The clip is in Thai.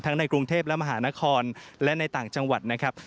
ในกรุงเทพและมหานครและในต่างจังหวัดนะครับ